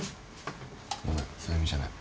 ごめんそういう意味じゃない。